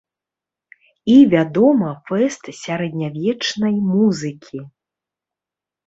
І, вядома, фэст сярэднявечнай музыкі.